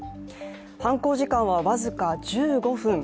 犯行時間は僅か１５分。